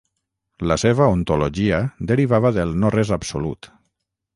La seva ontologia derivava del no res absolut.